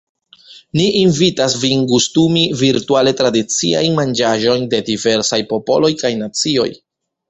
Ni invitas vin “gustumi” virtuale tradiciajn manĝaĵojn de diversaj popoloj kaj nacioj.